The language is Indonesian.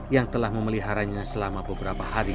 yang telah memeliharanya selama beberapa hari